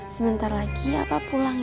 sebentar lagi ya pak pulang ya